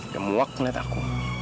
yang muak ngeliat aku